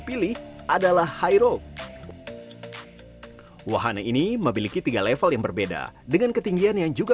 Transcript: pilih adalah high road wahana ini memiliki tiga level yang berbeda dengan ketinggian yang juga